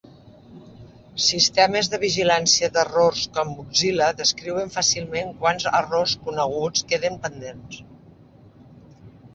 Sistemes de vigilància d'errors com Bugzilla descriuen fàcilment quants errors "coneguts" queden pendents.